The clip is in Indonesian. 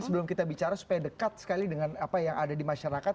sebelum kita bicara supaya dekat sekali dengan apa yang ada di masyarakat